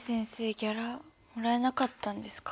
ギャラもらえなかったんですか。